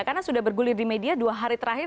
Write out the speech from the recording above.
karena sudah bergulir di media dua hari terakhir